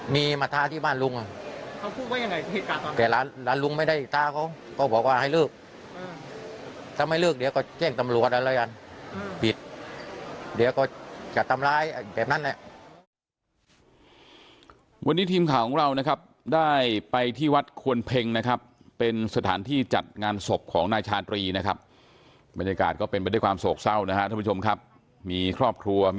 มีมาทาที่บ้านลุงอ่ะเขาก็ว่าอย่างไรเอ็ดกะต่อมาแหละหลานลุงไม่ได้ชื้องตาก็บอกว่าให้เลือกอืมถ้าไม่เลือกเดี๋ยวก็เจ็งตำรวจอ่ะเรื่องผิดเดี๋ยวก็จะทำลายอ่ะแบบนั้นแหละ